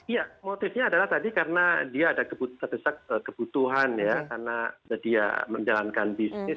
iya motifnya adalah tadi karena dia ada kebutuhan ya karena dia menjalankan bisnis